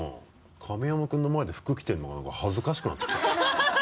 亀山君の前で服着てるのがなんか恥ずかしくなってきた。